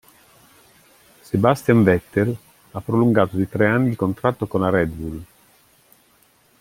Sebastian Vettel ha prolungato di tre anni il contratto con la Red Bull.